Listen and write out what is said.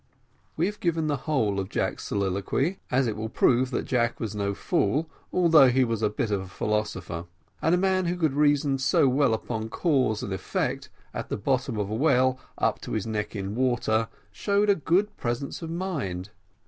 We have given the whole of Jack's soliloquy, as it will prove that Jack was no fool, although he was a bit of a philosopher; and a man who could reason so well upon cause and effect, at the bottom of a well up to his neck in water, showed a good deal of presence of mind.